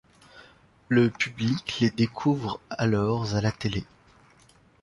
Le public les découvre alors à la télé.